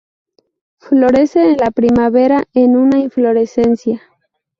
Florece en la primavera en una inflorescencia.